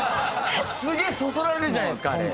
すげえそそられるじゃないですか。